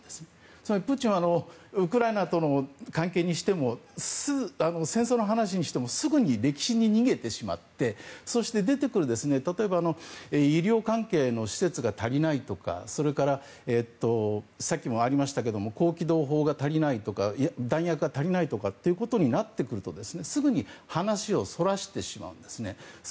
つまりプーチンはウクライナとの関係にしても戦争の話にしてもすぐに歴史に逃げてしまってそして、出てくる例えば医療関係の施設が足りないとかさっきもありましたけれども高機動砲が足りないとか弾薬が足りないとかになってくるとすぐに話をそらしてしまうんです。